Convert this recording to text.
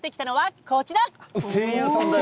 声優さんだよ。